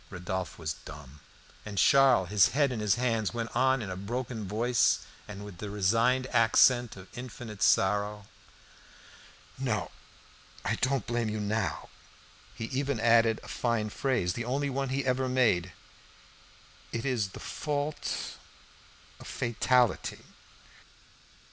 Rodolphe was dumb. And Charles, his head in his hands, went on in a broken voice, and with the resigned accent of infinite sorrow "No, I don't blame you now." He even added a fine phrase, the only one he ever made "It is the fault of fatality!"